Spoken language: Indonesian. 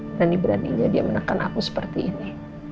berani beraninya dia menekan aku seperti ini